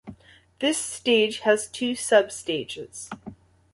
This stage has two sub stages.